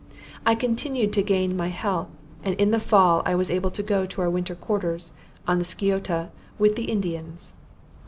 I continued to gain my health, and in the fall was able to go to our winter quarters, on the Sciota, with the Indians.